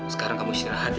sekarang kamu istirahat ya